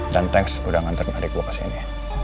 dan thanks udah nganterin adik gue kesini